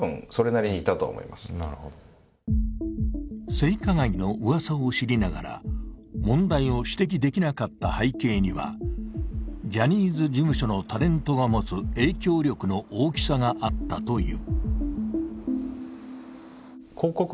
性加害のうわさを知りながら、問題を指摘できなかった背景にはジャニーズ事務所のタレントが持つ影響力の大きさがあったという。